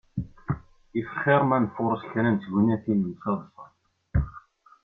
If xir ma nfureṣ kra n tgenyatin n teḍsa.